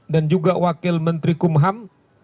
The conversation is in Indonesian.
dan juga wakil menteri kumham